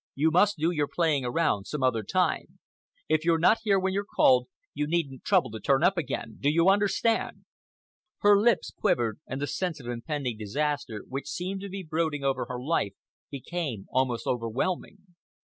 You must do your playing around some other time. If you're not here when you're called, you needn't trouble to turn up again. Do you understand?" Her lips quivered and the sense of impending disaster which seemed to be brooding over her life became almost overwhelming.